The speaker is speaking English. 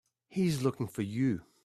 He's looking for you.